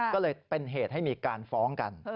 ก็เลยเป็นเหตุให้มีการฟ้องกัน